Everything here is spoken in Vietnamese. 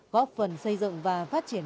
góp phần xây dựng và phát triển